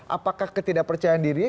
apakah ketidakpercayaan dirinya